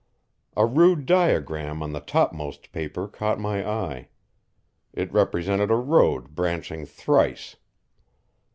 A rude diagram on the topmost paper caught my eye. It represented a road branching thrice.